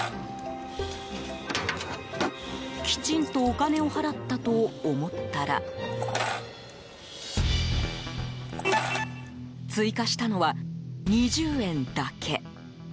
きちんとお金を払ったと思ったら追加したのは２０円だけ。